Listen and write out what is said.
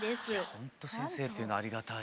ほんと先生っていうのはありがたい。